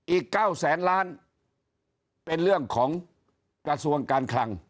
อีก๙แสนล้านเป็นเรื่องของกระทรวงการคลัง